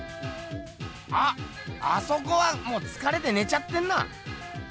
あっあそこはもうつかれてねちゃってんな。